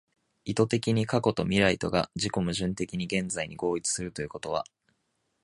意識的に過去と未来とが自己矛盾的に現在に合一するということは、